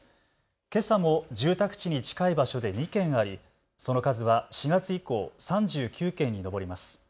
けさも住宅地に近い場所で２件あり、その数は４月以降、３９件に上ります。